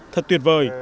thật tuyệt vời